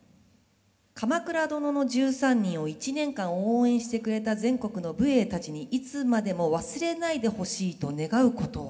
「『鎌倉殿の１３人』を１年間応援してくれた全国の武衛たちにいつまでも忘れないでほしいと願うことは」。